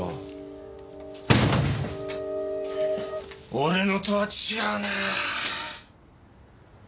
俺のとは違うなぁ。